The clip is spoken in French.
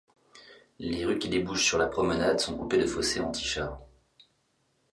Les rues qui débouchent sur la promenade sont coupées de fossés anti-chars.